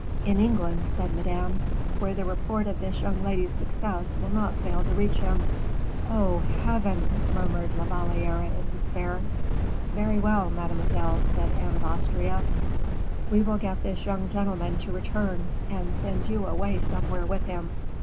"In England," said Madame, "where the report of this young lady's success will not fail to reach him." "Oh, Heaven!" murmured La Valliere in despair. "Very well, mademoiselle!" said Anne of Austria, "we will get this young gentleman to return, and send you away somewhere with him.